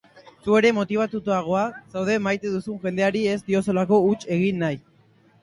Zu ere motibatuago zaude maite duzun jendeari ez diozulako huts egin nahi.